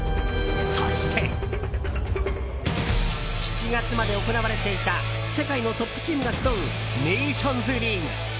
そして、７月まで行われていた世界のトップチームが集うネーションズリーグ。